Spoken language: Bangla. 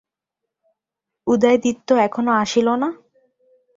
উদয়াদিত্য এখনও আসিল না?